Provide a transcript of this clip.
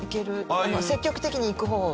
積極的にいく方。